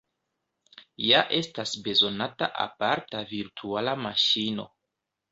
Ja estas bezonata aparta virtuala maŝino.